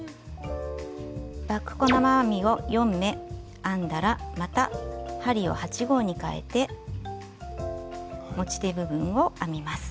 バック細編みを４目編んだらまた針を８／０号にかえて持ち手部分を編みます。